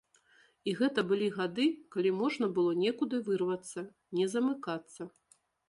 І гэта былі гады, калі можна было некуды вырвацца, не замыкацца.